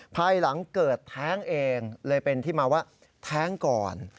ภายหลังเกิดแท้งเองเลยเป็นที่มาว่าแท้งก่อน